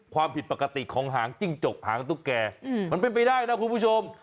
ความผิดปกติของหางจิ้งจกหางตุ๊กแก่มันเป็นไปได้นะคุณผู้ชม